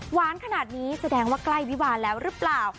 หวานขนาดนี้แสดงว่าใกล้วิวาแล้วหรือเปล่า